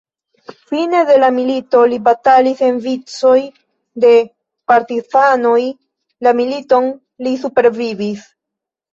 Fine de la milito li batalis en vicoj de partizanoj.. La militon li supervivis.